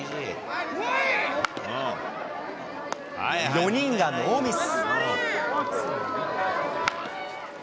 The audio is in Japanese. ４人がノーミス。